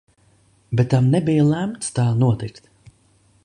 Bet tam nebija lemts tā notikt.